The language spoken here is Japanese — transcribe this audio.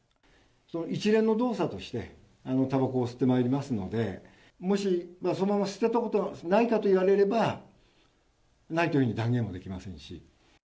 一連の動作としてたばこを吸ってまいりましたのでもし、捨てたことがないかといわれればないというふうに断言はできませんし。